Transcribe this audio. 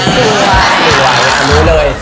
สวยรู้เลย